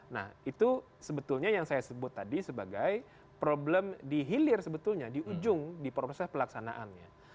nah itu sebetulnya yang saya sebut tadi sebagai problem di hilir sebetulnya di ujung di proses pelaksanaannya